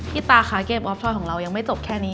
ตาคะเกมออฟซอยของเรายังไม่จบแค่นี้